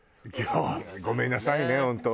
ごめんなさいね本当。